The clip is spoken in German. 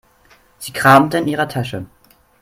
Sie kramte in ihrer Tasche.